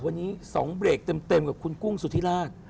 วันนี้๒เบรกเต็มกับคุณกุ้งสุธิราช